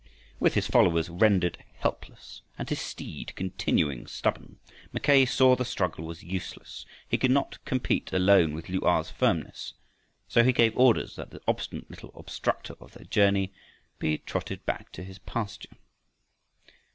With his followers rendered helpless and his steed continuing stubborn, Mackay saw the struggle was useless. He could not compete alone with Lu a's firmness, so he gave orders that the obstinate little obstructer of their journey be trotted back to his pasture.